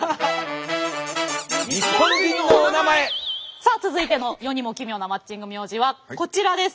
さあ続いての世にも奇妙なマッチング名字はこちらです。